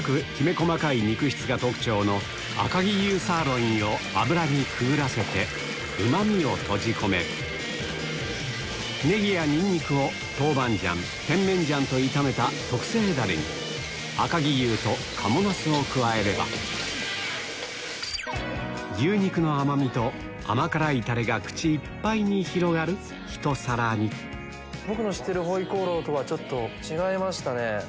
細かい肉質が特徴の赤城牛サーロインを油にくぐらせてうまみを閉じ込めるネギやニンニクを豆板醤甜麺醤と炒めた特製ダレに赤城牛と賀茂茄子を加えれば牛肉の甘みと甘辛いタレが口いっぱいに広がるひと皿に僕の知ってる回鍋肉とはちょっと違いましたね。